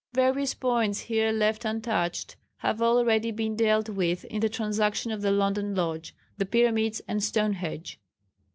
Various points here left untouched have already been dealt with in the Transaction of the London Lodge, "The Pyramids and Stonehenge."